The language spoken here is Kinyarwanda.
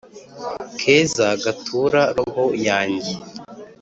keza gatura roho yanjye